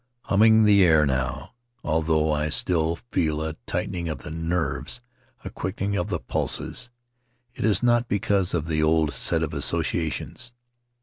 Humming the air now, The Starry Threshold although I still feel a tightening of the nerves, a quickening of the pulses, it is not because of the old set of associations.